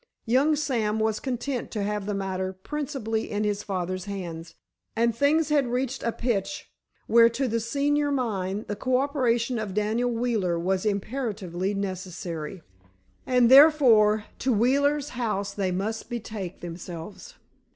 Young Sam was content to have the matter principally in his father's hands, and things had reached a pitch where, to the senior mind, the coöperation of Daniel Wheeler was imperatively necessary. And, therefore, to Wheeler's house they must betake themselves.